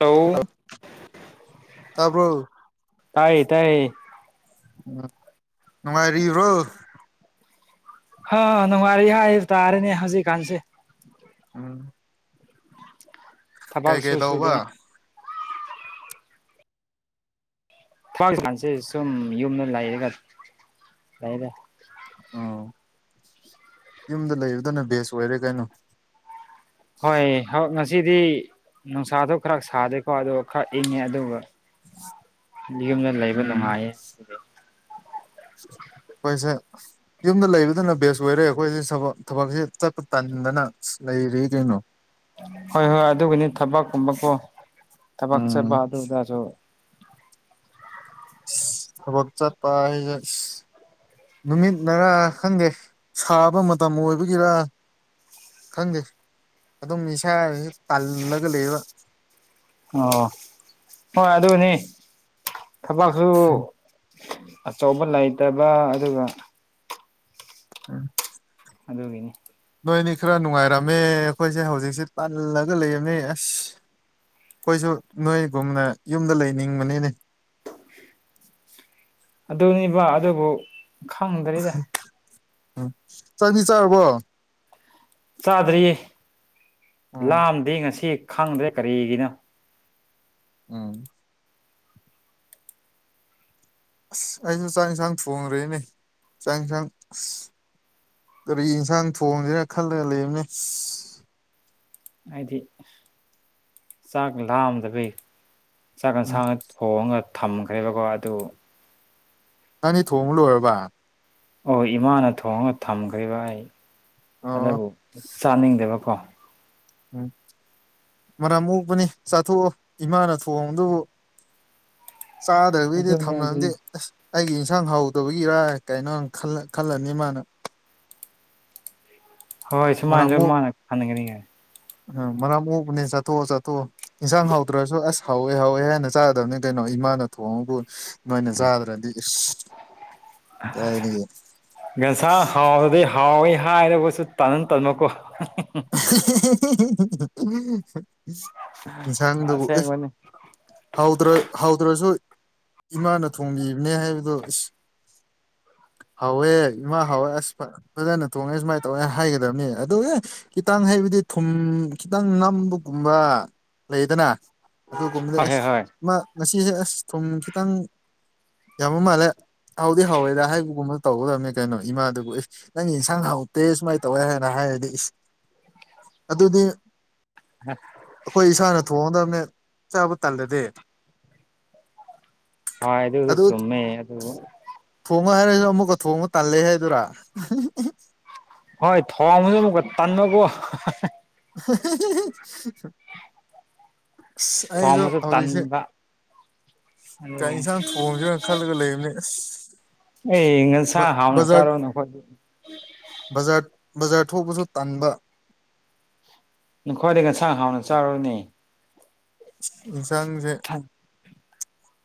ꯂꯣ ꯇꯥꯕ꯭ꯔꯣ ꯇꯥꯏꯌꯦ ꯇꯥꯏꯌꯦ ꯎꯝ ꯅꯨꯡꯉꯥꯏꯔꯤꯕ꯭ꯔꯣ ꯍ ꯅꯨꯡꯉꯥꯏꯔꯤ ꯍꯥꯏꯕ ꯇꯥꯔꯦꯅꯦ ꯍꯧꯖꯤꯛꯀꯥꯟꯁꯦ ꯎꯝ ꯀꯩꯀꯩ ꯊꯕꯥꯛꯁꯨꯨ ꯇꯧꯕ ꯁꯨꯗꯦ ꯊꯋꯥꯀꯥꯟꯁꯦ ꯁꯨꯝ ꯌꯨꯝꯗ ꯂꯩꯔꯒ ꯂꯩꯔꯦ ꯎ ꯌꯨꯝꯗ ꯂꯩꯕꯗꯅ ꯕꯦꯁ ꯑꯣꯏꯔꯦ ꯀꯩꯅꯣ ꯍꯣꯏ ꯍꯥ ꯉꯁꯤꯗꯤ ꯅꯨꯡꯁꯥꯗꯣ ꯈꯔ ꯁꯥꯗꯦꯀꯣ ꯑꯗꯨꯒ ꯈꯔ ꯏꯪꯉꯦ ꯑꯗꯨꯒ ꯌꯨꯝꯗ ꯂꯩꯕ ꯎꯝ ꯅꯨꯡꯉꯥꯏꯌꯦ ꯍꯣꯏꯁꯦ ꯌꯨꯝꯗ ꯂꯩꯕꯗꯨꯅ ꯕꯦꯁ ꯑꯣꯏꯔꯦ ꯑꯩꯈꯣꯏꯁ ꯊꯕꯛ ꯊꯕꯛꯁꯤ ꯆꯠꯄ ꯇꯟꯗꯅ ꯂꯩꯔꯤ ꯀꯩꯅꯣ ꯍꯣꯏ ꯍꯣꯏ ꯑꯗꯨꯒꯤꯅꯤ ꯊꯕꯛꯀꯨꯝꯕꯀꯣ ꯊꯕꯛ ꯆꯠꯄ ꯎꯝ ꯑꯗꯨꯗꯁꯨ ꯊꯕꯛ ꯆꯠꯄ ꯑꯥꯏꯖꯦ ꯅꯨꯃꯤꯠꯅꯔꯥ ꯈꯪꯗꯦ ꯁꯥꯕ ꯃꯇꯝ ꯑꯣꯏꯕꯒꯤꯔ ꯈꯪꯗꯦ ꯑꯗꯨꯝ ꯏꯁꯥꯒꯁꯨ ꯇꯥꯜꯂꯒ ꯂꯩꯕ ꯑꯣ ꯍꯣꯏ ꯑꯗꯨꯅꯤ ꯊꯕꯛꯁꯨ ꯑꯆꯧꯕ ꯂꯩꯇꯕ ꯑꯗꯨꯒ ꯎꯝ ꯑꯗꯨꯒꯤꯅꯤ ꯅꯣꯏꯅꯤ ꯈꯔ ꯅꯨꯡꯉꯥꯏꯔꯝꯃꯦ ꯑꯈꯣꯏꯁꯦ ꯍꯧꯖꯤꯛꯁꯦ ꯇꯜꯂꯒ ꯂꯩꯔꯝꯃꯦ ꯑꯁ ꯑꯈꯣꯏꯁꯨ ꯅꯣꯏꯒꯨꯝꯅ ꯌꯨꯝꯗ ꯂꯩꯅꯤꯡꯕꯅꯤꯅꯦ ꯑꯗꯨꯅꯤꯕ ꯑꯗꯨꯕꯨ ꯈꯪꯗ꯭ꯔꯤꯗ ꯎꯝ ꯆꯥꯛꯗꯤ ꯆꯥꯔꯕꯣ ꯆꯥꯗ꯭ꯔꯤ ꯎꯝ ꯂꯥꯝꯗꯤ ꯉꯁꯤ ꯈꯪꯗ꯭ꯔꯦ ꯀꯔꯤꯒꯤꯅꯣ ꯎꯝ ꯑꯁ ꯑꯩꯁꯨ ꯆꯥꯛ ꯏꯟꯁꯥꯡ ꯊꯣꯡꯈ꯭ꯔꯦꯅꯦ ꯆꯥꯛ ꯏꯟꯁꯥꯡ ꯑꯁ ꯀꯔꯤ ꯏꯟꯁꯥꯡ ꯊꯣꯡꯁꯤꯔ ꯈꯜꯂꯒ ꯂꯩꯝꯅꯦ ꯑꯩꯗꯤ ꯆꯥꯛ ꯂꯥꯝꯗꯕꯩ ꯆꯥꯛꯀ ꯎꯝ ꯁꯥꯡꯒ ꯊꯣꯡꯉꯒ ꯊꯝꯈ꯭ꯔꯦꯕꯀꯣ ꯑꯗꯨ ꯅꯪꯅꯤ ꯊꯣꯡꯕ ꯂꯣꯏꯔꯕ ꯑꯣ ꯏꯃꯥꯅ ꯊꯣꯡꯉꯒ ꯊꯝꯈ꯭ꯔꯦꯕ ꯑꯩ ꯑꯣ ꯑꯗꯨꯕꯨ ꯆꯥꯅꯤꯡꯗꯕꯀꯣ ꯎꯝ ꯃꯔꯝ ꯑꯣꯛꯄꯅꯤ ꯆꯥꯊꯣꯛꯑꯣ ꯏꯃꯥꯅ ꯊꯣꯡꯕꯗꯨꯕꯨ ꯆꯥꯗ꯭ꯔꯕꯤꯗ ꯑꯗꯨꯅꯦ ꯊꯝꯅꯕꯗꯤ ꯑꯗꯨꯅꯦ ꯑꯁ ꯑꯩꯒꯤ ꯏꯟꯁꯥꯡ ꯍꯥꯎꯇꯕꯒꯤꯔ ꯀꯩꯅꯣ ꯈꯜꯂ ꯈꯜꯂꯅꯤ ꯃꯥꯅ ꯍꯣꯏ ꯁꯨꯃꯥꯏꯟꯖꯨ ꯃꯥꯅ ꯈꯥꯟꯅꯒꯅꯤꯌꯦ ꯑ ꯃꯔꯝ ꯃꯣꯛꯄꯅꯦ ꯆꯠꯊꯣꯛꯑꯣ ꯆꯠꯊꯣꯛꯑꯣ ꯏꯟꯁꯥꯡ ꯍꯧꯇ꯭ꯔꯁꯨ ꯑꯁ ꯍꯥꯎꯋꯦ ꯍꯥꯎꯋꯦ ꯍꯥꯏꯅ ꯆꯥꯗꯕꯅꯦ ꯀꯩꯅꯣ ꯏꯃꯥꯅ ꯊꯣꯡꯉꯕꯨ ꯅꯣꯏꯅ ꯆꯥꯗ꯭ꯔꯗꯤ ꯀꯥꯏꯗꯒꯤ [inaudible] ꯒꯟꯁꯥ ꯍꯥꯎꯔꯗꯤ ꯍꯥꯎꯋꯤ ꯍꯥꯏꯔꯒꯨꯁꯨ ꯇꯥꯟꯅꯟ ꯇꯟꯃꯀꯣ ꯏꯟꯁꯥꯡꯗꯨꯕꯨ ꯏꯁ ꯑꯁꯦꯡꯕꯅꯤ ꯍꯧꯗ꯭ꯔ ꯍꯧꯗ꯭ꯔꯁꯨ ꯏꯃꯥꯅ ꯊꯣꯡꯕꯤꯕꯅꯦ ꯍꯥꯏꯕꯗꯣ ꯏꯁ ꯍꯥꯎꯋꯦ ꯏꯃꯥ ꯍꯥꯎꯋꯦ ꯑꯁ ꯐꯖꯅ ꯊꯣꯡꯉꯦ ꯁꯨꯃꯥꯏꯅ ꯇꯧꯋꯦ ꯍꯥꯏꯒꯗꯕꯅꯤ ꯑꯗꯨ ꯈꯤꯇꯪ ꯍꯥꯏꯕꯗꯤ ꯊꯨꯝ ꯈꯤꯇꯪ ꯅꯝꯕꯒꯨꯝꯕ ꯂꯩꯗꯅ ꯑꯗꯨ ꯀꯨꯝꯗ ꯍꯣꯏ ꯍꯣꯏ ꯑꯁ ꯍꯣꯏ ꯏꯃꯥ ꯉꯁꯤꯁꯦ ꯑꯁ ꯊꯨꯝ ꯈꯤꯇꯪ ꯌꯥꯝꯕ ꯃꯥꯜꯂꯦ ꯍꯥꯎꯗꯤ ꯍꯥꯎꯏꯗ ꯍꯥꯏꯕꯒꯨꯝꯕ ꯇꯧꯒꯗꯕꯅꯤ ꯀꯩꯅꯣ ꯏꯃꯥꯗꯨꯕꯨ ꯑꯦ ꯅꯪꯒꯤ ꯏꯟꯁꯥꯡ ꯍꯥꯎꯇꯦ ꯁꯨꯃꯥꯏꯅ ꯇꯧꯋꯦ ꯍꯥꯏꯅ ꯍꯥꯏꯔꯗꯤ ꯏꯁ ꯑꯗꯨꯗꯤ ꯍ ꯑꯩꯈꯣꯏ ꯏꯁꯥꯅ ꯊꯣꯡꯉꯗꯕꯅꯦ ꯆꯥꯕ ꯇꯜꯂꯗꯤ ꯍꯣꯏ ꯑꯗꯨ ꯆꯨꯝꯃꯦ ꯑꯗꯨ ꯊꯣꯡꯉꯣ ꯍꯥꯏꯔꯁꯨ ꯑꯃꯨꯛꯀ ꯊꯣꯡꯕ ꯇꯥꯟꯂꯦ ꯍꯥꯏꯗꯨꯔꯥ ꯍꯣꯏ ꯊꯣꯡꯕꯁꯨ ꯑꯃꯨꯛꯀ ꯇꯥꯟꯕꯀꯣ [inaudible] ꯑꯁ ꯑꯩꯁꯨ ꯊꯣꯡꯕꯁꯨ ꯍꯧꯖꯤꯛꯁꯦ ꯇꯟꯕ ꯀꯩ ꯑꯗꯨꯒꯤ ꯌꯦꯟꯁꯥꯡ ꯊꯣꯡꯁꯤꯔꯥ ꯈꯜꯂꯒ ꯂꯩꯕꯅꯦ ꯑꯁ ꯑꯩ ꯉ ꯁꯥ ꯍꯥꯎꯅ ꯕꯖꯥꯔ ꯆꯥꯔꯣ ꯅꯈꯣꯏ ꯕꯖꯥꯔ ꯕꯖꯥꯔ ꯊꯣꯛꯄꯁꯨ ꯇꯟꯕ ꯅꯈꯣꯏꯗꯤ ꯉꯟꯁꯥꯡ ꯍꯥꯎꯅ ꯆꯥꯔꯨꯅꯦ ꯌꯦꯟꯁꯥꯡꯁꯦ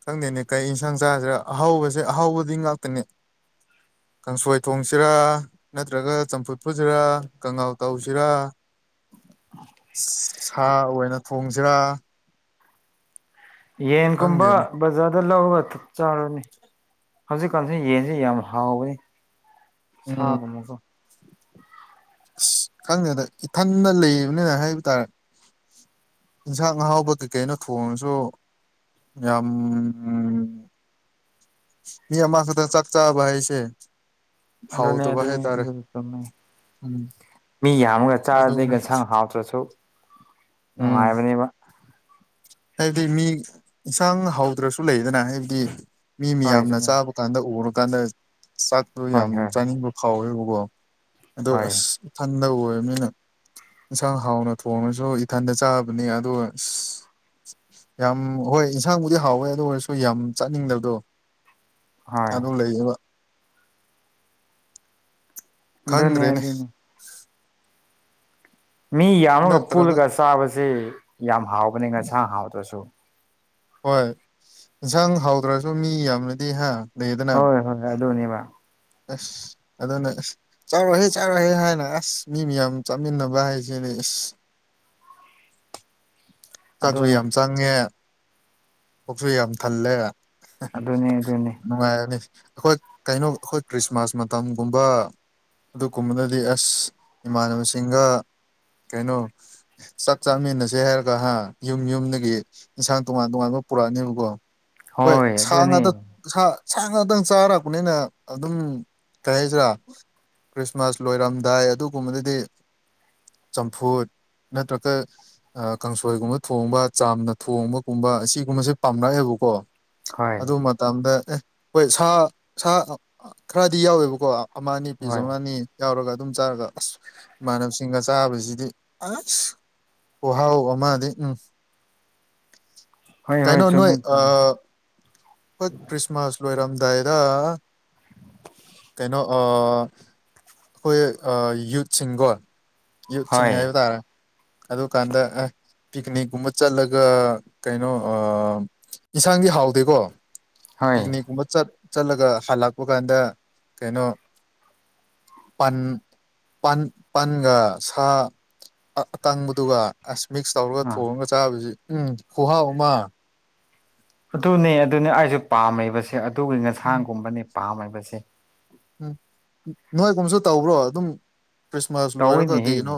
ꯈꯪꯗꯦꯅꯦ ꯀꯩ ꯌꯦꯟꯁꯥꯡ ꯆꯥꯁꯤꯔ ꯑꯍꯥꯎꯕꯁꯦ ꯑꯍꯥꯎꯕꯗꯤ ꯉꯥꯛꯇꯅꯦ ꯀꯥꯡꯁꯣꯏ ꯊꯣꯡꯁꯤꯔꯥ ꯅꯠꯇ꯭ꯔꯒ ꯆꯝꯐꯨꯠ ꯐꯨꯠꯁꯤꯔ ꯅꯠꯇꯔꯒꯥ ꯀꯉꯥꯎ ꯇꯧꯁꯤꯔꯥ ꯁꯥ ꯑꯣꯏꯅ ꯊꯣꯡꯁꯤꯔꯥ ꯌꯦꯟꯒꯨꯝꯕ ꯈꯪꯗꯦꯅꯦ ꯕꯖꯥꯔꯗ ꯂꯧꯔꯒ ꯆꯥꯔꯣꯅꯦ ꯍꯧꯖꯤꯛꯀꯥꯟꯁꯤ ꯌꯦꯟꯁꯤ ꯌꯥꯝ ꯍꯥꯎꯕꯅꯤ ꯁꯥꯒꯨꯝ ꯎꯝ ꯑꯃꯀ ꯑꯁ ꯈꯪꯗꯦꯗ ꯏꯊꯟꯗ ꯂꯩꯕꯅꯤꯅ ꯍꯥꯏꯕ ꯇꯥꯔꯦ ꯌꯦꯟꯁꯥꯡ ꯉꯍꯥꯎꯕ ꯀꯩ ꯀꯩꯅꯣ ꯊꯣꯡꯉꯁꯨ ꯌꯥꯝ ꯃꯤ ꯑꯃ ꯈꯛꯇꯥ ꯆꯥꯛ ꯆꯥꯕ ꯍꯥꯏꯁꯦ ꯑꯗꯨ ꯗꯨꯅꯦ ꯍꯥꯎꯗꯕ ꯍꯥꯏꯇꯥꯔꯦ ꯑꯗꯨ ꯆꯨꯨꯝꯃꯦ ꯎꯝ ꯃꯤ ꯌꯥꯝꯃꯒ ꯆꯥꯔꯗꯤ ꯑꯗꯨꯅ ꯑꯦꯟꯁꯥꯡ ꯍꯥꯎꯇ꯭ꯔꯁꯨ ꯅꯨꯡꯉꯥꯏꯕꯅꯦꯕ ꯍꯥꯏꯕꯗꯤ ꯃꯤ ꯑꯦꯟꯁꯥꯡ ꯍꯥꯎꯗ꯭ꯔꯁꯨ ꯂꯩꯗꯅ ꯍꯥꯏꯕꯗꯤ ꯃꯤ ꯍꯣꯏ ꯃꯤꯌꯥꯝꯅ ꯆꯨꯝꯃꯦ ꯆꯥꯕ ꯀꯥꯟꯗ ꯎꯔꯀꯥꯟꯗ ꯆꯥꯛꯇꯣ ꯍꯣꯏ ꯌꯥꯝ ꯍꯣꯏ ꯆꯥꯅꯤꯡꯕ ꯐꯥꯎꯋꯦꯕꯀꯣ ꯑꯗꯣ ꯍꯣꯏ ꯑꯁ ꯏꯊꯟꯗ ꯑꯣꯏꯕꯅꯤꯅ ꯏꯟꯁꯥꯡ ꯍꯥꯎꯅ ꯊꯣꯡꯉꯁꯨ ꯏꯊꯟꯗ ꯆꯥꯕꯅꯤ ꯑꯗꯨꯒ ꯑꯁ ꯌꯥꯝ ꯍꯣꯏ ꯏꯟꯁꯥꯡꯕꯨꯗꯤ ꯍꯥꯎꯋꯦ ꯑꯗꯨ ꯑꯣꯏꯔꯁꯨ ꯌꯥꯝ ꯆꯥꯅꯤꯡꯗꯕꯗꯣ ꯍꯣꯏ ꯑꯗꯨ ꯂꯩꯌꯦꯕ ꯑꯗꯨꯅꯤ ꯈꯪꯗ꯭ꯔꯦꯅꯦ ꯑꯗꯨꯅꯤ ꯃꯤ ꯌꯥꯝꯃꯒ ꯅꯠꯇ꯭ꯔꯒ ꯄꯨꯜꯂꯒ ꯆꯥꯕꯁꯤ ꯌꯥꯝ ꯍꯥꯎꯕꯅꯤ ꯉꯁꯥꯡ ꯍꯥꯎꯗ꯭ꯔꯁꯨ ꯍꯣꯏ ꯏꯟꯁꯥꯡ ꯍꯥꯎꯗ꯭ꯔꯁꯨ ꯃꯤ ꯌꯥꯝꯃꯥꯗꯤ ꯍꯥ ꯂꯩꯗꯅ ꯍꯣꯏ ꯍꯣꯏ ꯑꯗꯨꯅꯦꯕ ꯑꯁ ꯑꯗꯅ ꯑꯁ ꯆꯥꯔꯣꯍꯦ ꯆꯥꯔꯣꯍꯦ ꯍꯥꯏꯅ ꯑꯁ ꯃꯤ ꯃꯌꯥꯝ ꯆꯥꯃꯤꯟꯅꯕ ꯍꯥꯏꯁꯤꯅꯦ ꯑꯁ ꯆꯥꯛꯁꯨ ꯑꯗꯨꯅꯤ ꯌꯥꯝ ꯆꯪꯉꯦ ꯄꯨꯛꯁꯨ ꯌꯥꯝ ꯊꯜꯂꯦ ꯑꯗꯨꯅꯤ ꯑꯗꯨꯅꯤ ꯅꯨꯡꯉꯥꯏꯔꯥꯅꯤ ꯑꯩꯈꯣꯏ ꯀꯩꯅꯣ ꯑꯩꯈꯣꯏ ꯈ꯭ꯔꯤꯁꯃꯥꯁ ꯃꯇꯝꯒꯨꯝꯕ ꯑꯗꯨꯒꯨꯝꯕꯗꯗꯤ ꯑꯁ ꯏꯃꯥꯟꯅꯕꯁꯤꯡꯒ ꯀꯩꯅꯣ ꯆꯥꯛ ꯆꯥꯃꯤꯟꯅꯁꯦ ꯍꯥꯏꯔꯒ ꯍꯥ ꯌꯨꯝ ꯌꯨꯝꯗꯒꯤ ꯏꯟꯁꯥꯡ ꯇꯣꯉꯥꯟ ꯇꯣꯉꯥꯟꯕ ꯄꯨꯔꯛꯑꯅꯤꯕꯀꯣ ꯍꯣꯏ ꯁꯥ ꯉꯥꯗ ꯁꯥ ꯁꯥ ꯉꯥꯛꯇꯪ ꯆꯥꯔꯛꯄꯅꯤꯅ ꯑꯗꯨꯝ ꯀꯩ ꯍꯥꯏꯁꯤꯔꯥ ꯈ꯭ꯔꯤꯁꯃꯥꯁ ꯂꯣꯏꯔꯝꯗꯥꯏ ꯑꯗꯨꯒꯨꯝꯕꯗꯗꯤ ꯆꯝꯐꯨꯠ ꯅꯠꯇ꯭ꯔꯒ ꯑ ꯀꯥꯡꯁꯣꯏꯒꯨꯝꯕ ꯊꯣꯡꯕ ꯆꯥꯝꯅ ꯊꯣꯡꯕꯒꯨꯝꯕ ꯑꯁꯤꯒꯨꯝꯕꯁꯦ ꯄꯥꯝꯂꯛꯑꯦꯕꯀꯣ ꯍꯣꯏ ꯑꯗꯨ ꯃꯠ ꯇꯝꯗ ꯑꯦ ꯍꯣꯏ ꯁꯥ ꯁꯥ ꯑꯥ ꯑ ꯈꯔꯗꯤ ꯌꯥꯎꯋꯦꯕꯀꯣ ꯑꯃꯅꯤ ꯄꯤꯁ ꯍꯣꯏ ꯑꯃ ꯅꯤ ꯌꯥꯎꯔꯒ ꯑꯗꯨꯝ ꯆꯥꯔꯒ ꯑꯁ ꯏꯃꯥꯟꯅꯕꯁꯤꯡꯒ ꯆꯥꯕꯖꯤꯗꯤ ꯑꯥꯁ ꯈꯨꯍꯥꯎ ꯑꯃꯗꯤ ꯎꯝ ꯍꯣꯏ ꯍꯣꯏ ꯀꯩꯅꯣ ꯅꯣꯏ ꯆꯨꯝꯃꯦ ꯑ ꯆꯨꯝꯃꯦ ꯈꯣꯏ ꯈ꯭ꯔꯤꯁꯃꯥꯁ ꯂꯣꯏꯔꯝꯗꯥꯏꯗ ꯀꯩꯅꯣ ꯑ ꯈꯣꯏ ꯑꯥ ꯌꯨꯠꯁꯤꯡꯒꯣ ꯌꯨꯠꯁꯤꯡ ꯍꯣꯏ ꯍꯥꯏꯕ ꯇꯥꯔꯦ ꯑꯗꯨꯀꯥꯟꯗ ꯑꯦ ꯄꯤꯛꯅꯤꯛꯀꯨꯝꯕ ꯆꯠꯂꯒ ꯀꯩꯅꯣ ꯑꯥ ꯏꯟꯁꯥꯡꯗꯤ ꯍꯥꯎꯗꯦꯀꯣ ꯍꯣꯏ ꯄꯤꯛꯅꯤꯛꯀꯨꯝꯕ ꯆꯠ ꯆꯠꯂꯒ ꯍꯜꯂꯛꯄ ꯀꯥꯟꯗ ꯀꯩꯅꯣ ꯄꯟ ꯄꯟ ꯄꯟꯒ ꯁꯥ ꯑ ꯑꯀꯪꯕꯗꯨꯒ ꯑꯁ ꯃꯤꯛꯁ ꯇꯧꯔꯒ ꯑꯥ ꯊꯣꯡꯉꯒ ꯆꯥꯕꯁꯤ ꯎꯝ ꯈꯨꯍꯥꯎ ꯑꯃ ꯑꯗꯨꯅꯦ ꯑꯗꯨꯅꯦ ꯑꯩꯁꯨ ꯄꯥꯝꯃꯤꯕꯁꯦ ꯑꯗꯨꯒꯤ ꯎꯝ ꯉꯟꯁꯥꯡꯒꯨꯝꯕꯅꯦ ꯄꯥꯝꯃꯤꯕꯁꯦ ꯎꯝ ꯅꯣꯏꯒꯨꯝꯁꯨ ꯇꯧꯕ꯭ꯔꯣ ꯑꯗꯨꯝ ꯈ꯭ꯔꯤꯁꯃꯥꯁ ꯂꯣꯏꯔꯒ ꯇꯧꯋꯤꯅꯦꯍꯦ ꯀꯩꯒꯤꯅꯣ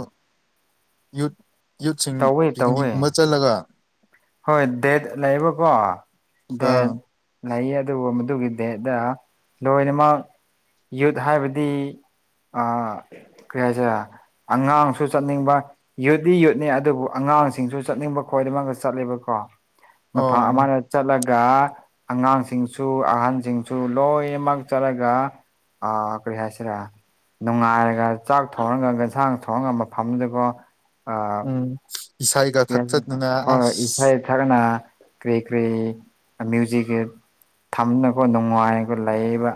ꯌꯨꯠ ꯌꯨꯠꯁꯤꯡ ꯇꯧꯋꯦ ꯇꯧꯋꯦ ꯄꯤꯛꯅꯤꯛꯀꯨꯝꯕ ꯆꯠꯂꯒ ꯍꯣꯏ ꯗꯦꯠ ꯂꯩꯌꯦꯕꯀꯣ ꯗꯦꯠ ꯑꯥ ꯂꯩꯌꯦ ꯑꯗꯨꯒꯨꯝꯕꯗꯨꯒꯤ ꯗꯦꯠꯗ ꯂꯣꯏꯅꯃꯛ ꯌꯨꯠ ꯍꯥꯏꯕꯗꯤ ꯑꯥ ꯀ꯭ꯔꯤ ꯍꯥꯢꯁꯤꯔꯥ ꯑꯉꯥꯡꯁꯨ ꯆꯠꯅꯤꯡꯕ ꯌꯨꯠꯗꯤ ꯌꯨꯠꯅꯦ ꯑꯗꯨꯕꯨ ꯑꯉꯥꯡꯁꯤꯡꯁꯨ ꯆꯠꯅꯤꯡꯕ ꯈꯣꯏꯗꯃꯛꯉꯥ ꯆꯠꯂꯦꯕꯀꯣ ꯃꯐꯥ ꯑꯣ ꯑꯃꯔꯠ ꯆꯠꯂꯒ ꯑꯉꯥꯡꯁꯤꯡꯁꯨ ꯑꯍꯟꯁꯤꯡꯁꯨ ꯂꯣꯏꯃꯛ ꯆꯠꯂꯒ ꯑ ꯀꯔꯤ ꯍꯁꯤꯔꯥ ꯅꯨꯡꯉꯥꯏꯔꯒ ꯆꯥꯛ ꯊꯣꯡꯉꯒ ꯉꯟꯁꯥꯡ ꯊꯣꯡꯉꯒ ꯃꯐꯝꯗꯨꯗ ꯀꯣ ꯑꯥ ꯎꯝ ꯏꯁꯩꯒ ꯊꯛꯊꯠꯇꯅ ꯑꯁ ꯈꯔꯅ ꯀꯔꯤ ꯀꯔꯤ ꯑꯃ꯭ꯌꯨꯖꯤꯛꯒꯤ ꯊꯝꯅꯒꯣ ꯅꯨꯡꯉꯥꯏꯒ ꯂꯩꯕ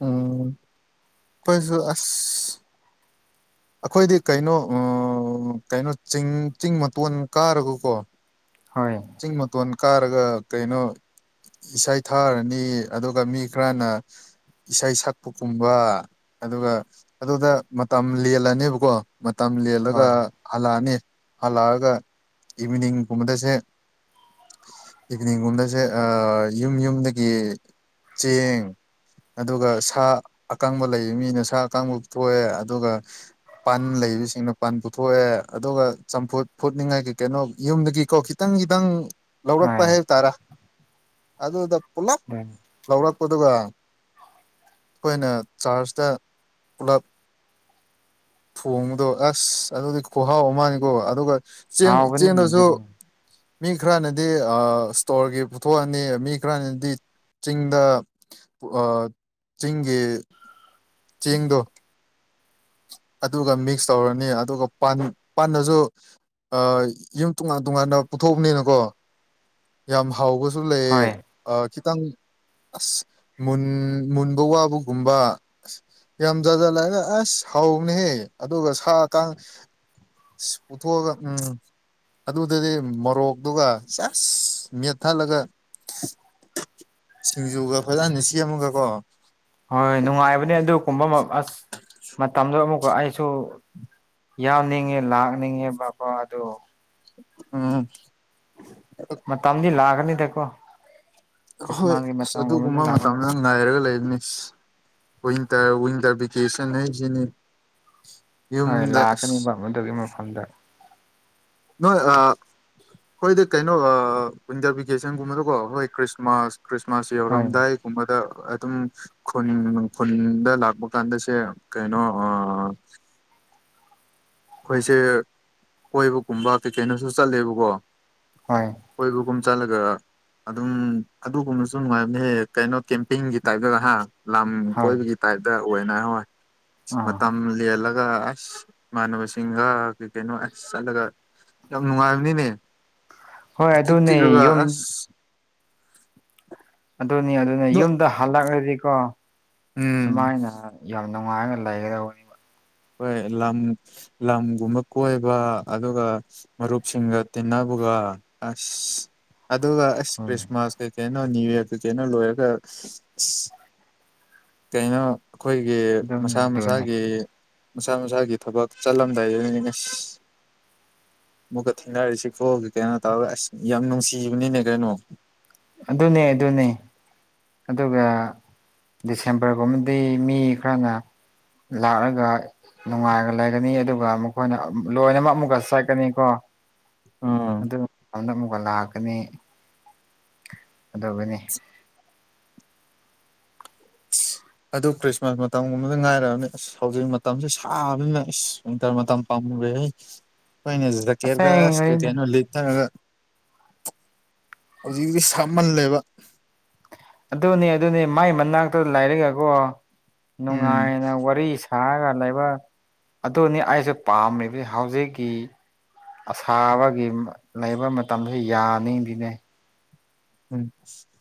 ꯎꯝ ꯀꯣꯏꯖꯨ ꯑꯁ ꯑꯈꯣꯏꯗꯤ ꯀꯩꯅꯣ ꯑꯥ ꯀꯩꯅꯣ ꯆꯤꯡ ꯆꯤꯡ ꯃꯇꯣꯟ ꯀꯥꯔꯒꯀꯣ ꯍꯣꯏ ꯆꯤꯡ ꯃꯇꯣꯟ ꯀꯥꯔꯒ ꯀꯩꯅꯣ ꯏꯁꯩ ꯊꯥꯔꯅꯤ ꯑꯗꯨꯒ ꯃꯤ ꯈꯔꯅ ꯏꯁꯩ ꯁꯛꯄꯒꯨꯝꯕ ꯑꯗꯨꯒ ꯑꯗꯨꯗ ꯃꯇꯝ ꯂꯦꯜꯂꯅꯦꯕꯀꯣ ꯃꯇꯝ ꯂꯦꯜꯂꯒ ꯍꯣꯏ ꯍꯜꯂꯛꯑꯅꯤ ꯍꯜꯂꯛꯑꯒ ꯏꯚꯤꯅꯤꯡꯒꯨꯝꯕꯗꯁꯦ ꯏꯚꯤꯅꯤꯡꯒꯨꯝꯕꯁꯦ ꯑꯥ ꯌꯨꯝ ꯌꯨꯝꯗꯒꯤ ꯆꯦꯡ ꯑꯗꯨꯒ ꯁꯥ ꯑꯀꯪꯕ ꯂꯩꯕ ꯃꯤꯅ ꯁꯥ ꯑꯀꯪꯕ ꯄꯨꯊꯣꯛꯑꯦ ꯑꯗꯨꯒ ꯄꯥꯟ ꯂꯩꯕꯁꯤꯡꯅ ꯄꯥꯟ ꯄꯨꯊꯣꯛꯑꯦ ꯑꯗꯨꯒ ꯆꯝꯐꯨꯠ ꯐꯨꯠꯅꯤꯡꯉꯥꯏ ꯀꯩ ꯀꯩꯅꯣ ꯌꯨꯝꯗꯒꯤꯀꯣ ꯈꯤꯠ ꯇꯪꯒꯤ ꯇꯪ ꯂꯧꯔꯛꯄ ꯍꯣꯏ ꯍꯥꯏꯕ ꯇꯔꯦ ꯑꯗꯨꯗ ꯄꯨꯂꯞ ꯂꯧꯔꯛꯄꯗꯨꯒ ꯑꯩꯈꯣꯏꯅ ꯆꯥꯔꯖꯇ ꯄꯨꯂꯞ ꯊꯣꯡꯕꯗꯣ ꯑꯁ ꯑꯗꯨꯗꯤ ꯈꯨꯍꯥꯎ ꯃꯥꯅꯤꯀꯣ ꯑꯗꯨꯒ ꯆꯦꯡ ꯍꯥꯎꯕꯅꯤ ꯆꯦꯡꯗꯁꯨ ꯑꯗꯨꯗꯤ ꯃꯤ ꯈꯔꯅꯗꯤ ꯁꯇꯣꯔꯒꯤ ꯄꯨꯊꯣꯛꯑꯅꯤ ꯃꯤ ꯈꯔꯅꯗꯤ ꯆꯤꯡꯗ ꯑ ꯆꯤꯡꯒꯤ ꯆꯤꯡꯗꯣ ꯑꯗꯨꯒ ꯃꯤꯛꯁ ꯇꯧꯔꯅꯤ ꯑꯗꯨꯒ ꯄꯥꯟꯗꯁꯨ ꯌꯨꯝ ꯇꯣꯉꯥꯟ ꯇꯣꯉꯥꯟꯅ ꯄꯨꯊꯣꯛꯄꯅꯤꯅꯀꯣ ꯌꯥꯝ ꯍꯥꯎꯕꯁꯨ ꯂꯩꯌꯦ ꯍꯣꯏ ꯑ ꯈꯤꯇꯪ ꯑꯁ ꯃꯨꯟ ꯃꯨꯟꯕ ꯋꯥꯕꯒꯨꯝꯕ ꯑ ꯌꯥꯝ ꯖꯖꯠꯂꯑꯒ ꯑꯁ ꯍꯥꯎꯕꯅꯦꯍꯦ ꯑꯗꯨꯒ ꯁꯥ ꯀꯥꯡ ꯄꯨꯊꯣꯛꯑꯒ ꯎꯝ ꯑꯗꯨꯗꯗꯤ ꯃꯣꯔꯣꯛꯇꯨꯒ ꯆꯁ ꯃꯦꯠꯊꯠꯂꯒ ꯁꯤꯡꯖꯨꯒ ꯐꯖꯅ ꯁꯦꯝꯃꯒ ꯀꯣ ꯍꯣꯏ ꯅꯨꯡꯉꯥꯏꯕꯅꯦ ꯑꯗꯨ ꯀꯨꯝꯕ ꯑꯁ ꯃꯇꯝꯗꯣ ꯑꯃꯨꯛꯀ ꯑꯩꯁꯨ ꯌꯥꯎꯅꯤꯡꯉꯦ ꯂꯥꯛꯅꯤꯡꯉꯦꯕꯀꯣ ꯑꯗꯨ ꯑꯝ ꯃꯇꯝꯗꯤ ꯂꯥꯛꯒꯅꯤ ꯗꯀꯣ ꯑꯍꯣꯏ ꯑꯁ ꯑꯗꯨꯒꯨꯝꯕ ꯂꯥꯛꯀꯅꯤ ꯃꯇꯝꯗ ꯉꯥꯏꯔꯒ ꯂꯩꯕꯅꯤ ꯋꯤꯟꯇꯔ ꯋꯤꯟꯇꯔ ꯚꯦꯀꯦꯁꯟ ꯍꯥꯏꯖ ꯁꯤꯅꯤ ꯍꯣꯏ ꯂꯥꯛꯀꯅꯦꯕ ꯃꯗꯨꯒꯤ ꯃꯐꯝꯗ ꯅꯣꯏ ꯑꯩꯈꯣꯏꯗꯤ ꯀꯩꯅꯣ ꯋꯤꯟꯇꯔ ꯚꯦꯀꯦꯁꯟꯒꯨꯝꯕꯗꯀꯣ ꯍꯣꯏ ꯈ꯭ꯔꯤꯁꯃꯥꯁ ꯈ꯭ꯔꯤꯁꯃꯥꯁ ꯍꯣꯏ ꯌꯧꯔꯝꯗꯥꯏꯒꯨꯝꯕꯗ ꯑꯗꯨꯝ ꯈꯨꯟ ꯈꯨꯟꯗ ꯂꯥꯛꯄ ꯀꯥꯟꯗꯁꯦ ꯀꯩꯅꯣ ꯑꯩꯈꯣꯏꯁꯦ ꯀꯣꯏꯕꯒꯨꯝꯕ ꯀꯩ ꯀꯩꯅꯣꯁꯨ ꯆꯠꯂꯦꯕꯀꯣ ꯍꯣꯏ ꯀꯣꯏꯕꯒꯨꯝ ꯆꯠꯂꯒ ꯑꯗꯨꯝ ꯑꯗꯨꯒꯨꯝꯕꯁꯨ ꯅꯨꯡꯉꯥꯏꯕꯅꯦꯍꯦ ꯀꯩꯅꯣ ꯀꯦꯝꯄꯤꯡꯒꯤ ꯇꯥꯏꯞꯇꯒ ꯍꯥ ꯂꯝ ꯍꯣꯏ ꯀꯣꯏꯕꯒꯤ ꯇꯥꯏꯞꯇ ꯑꯣꯏꯅ ꯍꯣꯏ ꯑ ꯑꯥ ꯃꯇꯝ ꯂꯦꯜꯂꯒ ꯑꯁ ꯏꯃꯥꯟꯅꯕꯁꯤꯡꯒ ꯀꯩ ꯀꯩꯅꯣ ꯑꯁ ꯆꯠꯂꯒ ꯌꯥꯝ ꯅꯨꯡꯉꯥꯏꯕꯅꯤꯅꯦ ꯍꯣꯏ ꯏꯇꯤꯛ ꯑꯗꯨꯅꯦ ꯇꯤꯛꯔꯒ ꯌꯨꯝ ꯑꯁ ꯑꯗꯨꯅꯤ ꯑꯗꯨꯅ ꯌꯨꯝꯗ ꯍꯜꯂꯛꯂꯗꯤꯀꯣ ꯎꯝ ꯁꯨꯃꯥꯏꯅ ꯌꯥꯝ ꯅꯨꯡꯉꯥꯏꯅ ꯂꯩꯒꯗꯕꯅꯤ ꯑꯩꯈꯣꯏ ꯂꯝ ꯂꯝꯒꯨꯝꯕ ꯀꯣꯏꯕ ꯑꯗꯨꯒ ꯃꯔꯨꯞꯁꯤꯡꯒ ꯇꯤꯟꯅꯕꯒ ꯑꯁ ꯑꯗꯨꯒ ꯑꯁ ꯎꯝ ꯈ꯭ꯔꯤꯁꯃꯥꯁ ꯀꯩꯀꯩꯅꯣ ꯅ꯭ꯌꯨ ꯌꯔ ꯀꯩꯀꯩꯅꯣ ꯂꯣꯏꯔꯒ ꯑꯁ ꯀꯩꯅꯣ ꯑꯩꯈꯣꯏꯒꯤ ꯑꯗꯨꯅꯤ ꯃꯁꯥ ꯑꯗꯨꯅꯤ ꯃꯁꯥꯒꯤ ꯃꯁꯥ ꯃꯁꯥꯒꯤ ꯊꯕꯛ ꯆꯠꯂꯝꯗꯥꯏ ꯍꯥꯏ [unintelligible] ꯑꯃꯨꯛꯀ ꯊꯦꯡꯅꯔꯤꯁꯤꯐꯣ ꯀꯩꯅꯣ ꯇꯧꯔꯒ ꯑꯁ ꯌꯥꯝ ꯅꯨꯡꯁꯤꯕꯅꯤꯅꯦ ꯀꯩꯅꯣ ꯑꯗꯨꯅꯦ ꯑꯗꯨꯅꯦ ꯑꯗꯨꯒ ꯗꯤꯁꯦꯝꯕꯔꯒꯨꯝꯕꯗꯤ ꯃꯤ ꯈꯔꯅ ꯂꯥꯛꯂꯒ ꯅꯨꯡꯉꯥꯏꯔ ꯂꯩꯒꯅꯤ ꯑꯗꯨꯒ ꯃꯈꯣꯏꯅ ꯂꯣꯏꯅꯃꯛ ꯑꯃꯨꯛꯀ ꯆꯠꯀꯅꯤꯀꯣ ꯎꯝ ꯑꯗꯨꯗ [unintelligible] ꯑꯃꯨꯛꯀ ꯂꯥꯛꯀꯅꯤ ꯑꯗꯨꯕꯨꯅꯤ ꯑꯁ ꯑꯗꯨ ꯈ꯭ꯔꯤꯁꯃꯥꯁ ꯃꯇꯝꯒꯨꯝꯕꯗ ꯉꯥꯏꯔꯕꯅꯤ ꯑꯁ ꯍꯧꯖꯤꯛ ꯃꯇꯝꯁꯦ ꯁꯥꯕꯅ ꯑꯁ ꯋꯤꯟꯇꯔ ꯃꯇꯝ ꯄꯥꯃꯨꯔꯦꯍꯦ ꯑꯩꯈꯣꯏꯅ ꯁꯤꯗ [unintelligible] ꯀꯩ ꯑꯁꯦꯡꯕꯩꯅꯦ ꯀꯩꯅꯣ ꯂꯤꯊꯔꯒ ꯍꯧꯖꯤꯛ ꯇꯤ ꯁꯥꯃꯜꯂꯦꯕ ꯑꯗꯨꯅꯦ ꯑꯗꯨꯅꯤ ꯃꯥꯏ ꯃꯅꯥꯛꯇ ꯂꯥꯏꯔꯒꯀꯣ ꯎꯝ ꯅꯨꯡꯉꯥꯏꯅ ꯋꯥꯔꯤ ꯁ ꯁꯥꯔꯒ ꯂꯩꯕ ꯑꯗꯨꯅꯤ ꯑꯩꯁꯨ ꯄꯥꯝꯃꯤꯕꯖꯦ ꯍꯧꯖꯤꯛꯀꯤ ꯑꯁꯥꯕꯒꯤ ꯂꯩꯕ ꯃꯇꯝꯖꯦ ꯌꯥꯅꯤꯡꯗꯤꯅꯦ [unintelligible]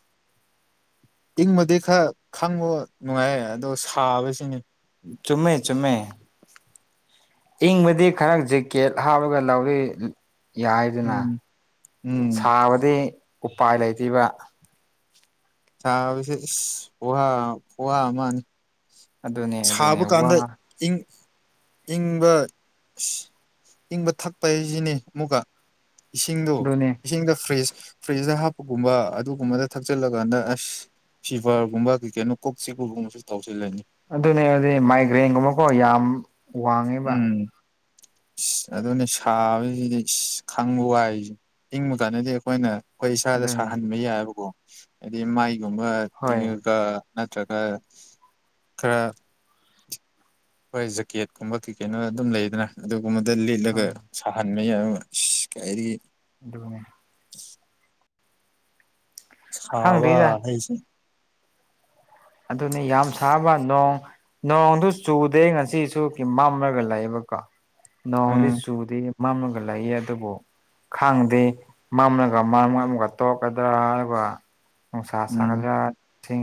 ꯏꯪꯕꯗꯤ ꯈꯔ ꯈꯪꯕ ꯅꯨꯡꯉꯥꯏꯌꯦ ꯑꯗꯣ ꯁꯥꯕꯁꯤꯅꯤ ꯆꯨꯝꯃꯦ ꯆꯨꯝꯃꯦ ꯏꯪꯕꯗꯤ ꯈꯔ ꯖꯤꯛꯀꯦꯠ ꯍꯥꯞꯔꯒ ꯂꯧꯔꯤ ꯌꯥꯏꯗꯅ ꯎꯝ ꯎꯝ ꯁꯥꯕꯗꯤ ꯎꯄꯥꯏ ꯂꯩꯇꯤꯕ ꯁꯥꯕꯁꯦ ꯏꯁ ꯋꯥ ꯋꯃꯥꯅꯤ ꯑꯗꯨꯅꯦ ꯑꯗꯨꯅꯦ ꯁꯥꯕ ꯋꯥ ꯀꯥꯟꯗ ꯏꯪ ꯏꯪꯕ ꯏꯪꯕ ꯊꯛꯄ ꯍꯥꯏꯁꯤꯅꯤ ꯑꯃꯨꯛꯀ ꯏꯁꯤꯡꯗꯣ ꯑꯗꯨꯅꯦ ꯏꯁꯤꯡꯗ ꯐ꯭ꯔꯤꯖ ꯐ꯭ꯔꯤꯖꯇ ꯍꯥꯞꯄꯒꯨꯝꯕ ꯑꯗꯨꯒꯨꯝꯕꯗ ꯊꯛꯆꯤꯜꯂꯀꯥꯟꯗ ꯑꯁ ꯐꯤꯚꯔꯒꯨꯝꯕ ꯀꯩ ꯀꯩꯅꯣ ꯀꯣꯛ ꯆꯤꯛꯄꯒꯨꯝꯕꯁꯨ ꯇꯧꯖꯤꯜꯂꯅꯤ ꯑꯗꯨꯅꯦ ꯑꯗꯨꯅꯦ ꯃꯥꯏꯒ꯭ꯔꯦꯟꯒꯨꯝꯕꯀꯣ ꯌꯥꯝ ꯋꯥꯡꯉꯦꯕ ꯎꯝ ꯑꯗꯨꯅꯦ ꯁꯥꯕꯁꯤꯗꯤ ꯏꯁ ꯈꯥꯡꯕ ꯋꯥꯏꯖꯦ ꯏꯪꯕ ꯀꯥꯟꯗꯗꯤ ꯑꯈꯣꯏꯅ ꯑꯩꯈꯣꯏ ꯏꯁꯥꯗ ꯑꯗꯨꯅꯦ ꯁꯥꯍꯟꯕ ꯌꯥꯏꯑꯕꯀꯣ ꯍꯥꯏꯗꯤ ꯃꯥꯏꯒꯨꯝꯕ ꯍꯣꯏ ꯇꯤꯡꯉꯒ ꯅꯠꯇꯔꯒ ꯈꯔ ꯈꯣꯏ ꯖꯦꯀꯦꯠꯀꯨꯝꯕ ꯀꯩ ꯀꯩꯅꯣ ꯑꯗꯨꯝ ꯂꯩꯗꯅ ꯑꯗꯨꯒꯨꯝꯕꯗ ꯂꯤꯠꯂꯒ ꯍꯣꯏ ꯁꯥꯍꯟꯕ ꯌꯥꯏ ꯑ ꯀꯥꯏꯗꯒꯤ ꯑꯗꯨꯅꯦ [inaudible] ꯍꯕ ꯈꯪꯗꯦꯗ ꯍꯥꯏꯁꯦ ꯑꯗꯨꯅꯦ ꯌꯥꯝ ꯁꯥꯕ ꯅꯣꯡ ꯅꯣꯡꯗꯨ ꯆꯨꯗꯦ ꯉꯁꯤꯁꯨꯀꯤ ꯃꯝꯔꯒ ꯂꯩꯕꯀꯣ ꯅꯣꯡꯗꯤ ꯎꯝ ꯆꯨꯗꯦ ꯃꯝꯔꯒ ꯂꯩꯌꯦ ꯑꯗꯨꯕꯨ ꯈꯪꯗꯦ ꯃꯝꯔꯒ ꯃꯝꯃꯝꯒ ꯇꯣꯛꯀꯗ꯭ꯔꯥ ꯍꯥꯏꯕ ꯅꯨꯡꯁꯥ ꯎꯝ ꯁꯥꯒꯗ꯭ꯔꯥ ꯁꯤꯡ